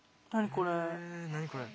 何これ？